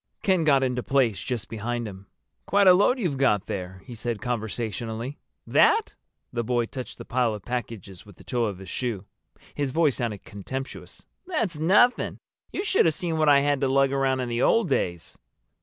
Ken got into place just behind him. "Quite a load you've got there," he said conversationally. "That?" The boy touched the pile of packages with the toe of his shoe. His voice sounded contemptuous. "That's nothing. You should have seen what I had to lug around in the old days."